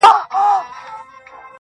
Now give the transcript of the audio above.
ور پسې وه د خزان وحشي بادونه-